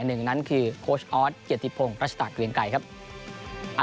หนึ่งนั้นคือโค้ชอ้อส๗๖รัชตางฯเกียงไก่